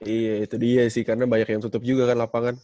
iya itu dia sih karena banyak yang tutup juga kan lapangan